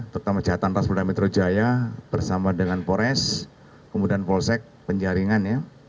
terutama jatantras polda metro jaya bersama dengan pores kemudian polsec penjaringan